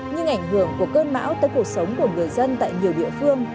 nhưng ảnh hưởng của cơn bão tới cuộc sống của người dân tại nhiều địa phương